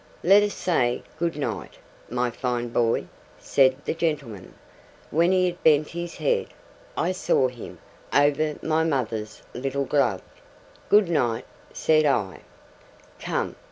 'Let us say "good night", my fine boy,' said the gentleman, when he had bent his head I saw him! over my mother's little glove. 'Good night!' said I. 'Come!